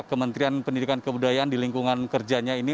dan kementerian pendidikan dan kebudayaan di lingkungan kerjanya ini